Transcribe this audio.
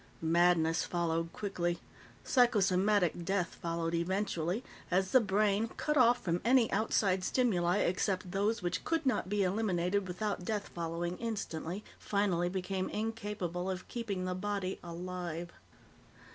Madness followed quickly; psychosomatic death followed eventually, as the brain, cut off from any outside stimuli except those which could not be eliminated without death following instantly, finally became incapable of keeping the body alive.